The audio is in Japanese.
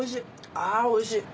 あぁおいしい！